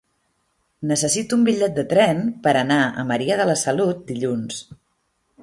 Necessito un bitllet de tren per anar a Maria de la Salut dilluns.